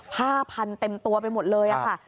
ผ้าพันเต็มตัวไปหมดเลยค่ะ